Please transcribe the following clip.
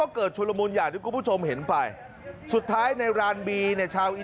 จริงจริงจริงจริงจริงจริงจริงจริงจริง